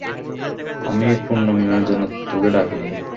আমি পুনর্মিলনের জন্য তোকে ডাকিনি।